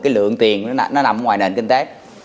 cái lượng tiền nó nằm ngoài nền kinh tế